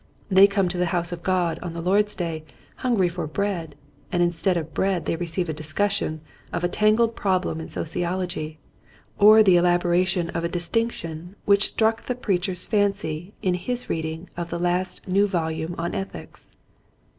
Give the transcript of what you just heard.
They come to the house of God on the Lord's day hungry for bread, and instead of bread they receive a discussion of a tangled problem in sociology, or the elaboration of a distinction which struck the preacher's fancy in his reading of the last new vol ume on Ethics.